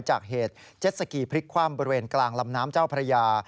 จากเหตุเจ็ดสกีพลิกคว่ำบริเวณกลางลำน้ำเจ้าพระยา